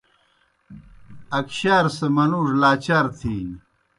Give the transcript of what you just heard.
اکشِیار سہ منُوڙوْ لاچار تِھینیْ۔